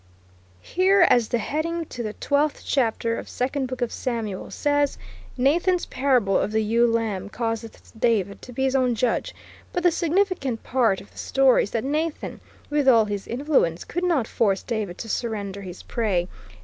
Here, as the heading to the Twelfth Chapter of Second Book of Samuel says, "Nathan's parable of the ewe lamb causeth David to be his own judge," but the significant part of the story is that Nathan, with all his influence, could not force David to surrender his prey.